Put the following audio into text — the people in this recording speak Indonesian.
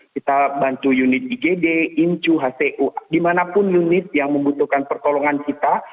kita bantu unit igd incu hcu dimanapun unit yang membutuhkan pertolongan kita